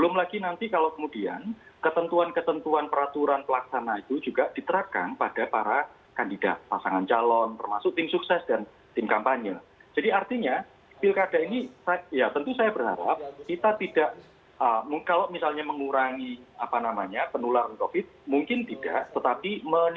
mas agus melas dari direktur sindikasi pemilu demokrasi